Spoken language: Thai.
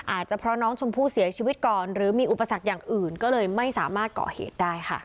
อาจจะเพราะน้องชมพู่เสียชีวิตก่อนหรือมีอุปสรรคอย่างอื่นก็เลยไม่สามารถเกาะเหตุได้ค่ะ